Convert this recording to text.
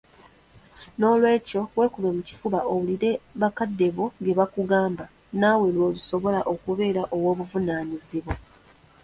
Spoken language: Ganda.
N'olwekyo weekube mu kifuba owulire bakadde bo bye bakugamba naawe lw'olisobola okubeera ow'obuvunaanyizibwa